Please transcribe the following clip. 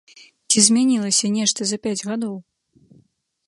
Ці змянілася нешта за пяць гадоў?